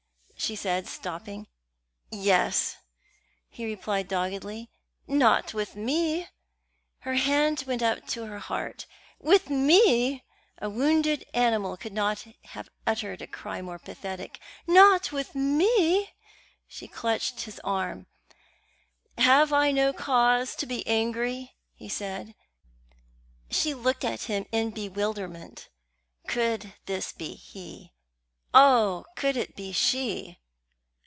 she said, stopping. "Yes," he replied doggedly. "Not with me?" Her hand went to her heart. "With me!" A wounded animal could not have uttered a cry more pathetic. "Not with me!" She clutched his arm. "Have I no cause to be angry?" he said. She looked at him in bewilderment. Could this be he? Oh, could it be she?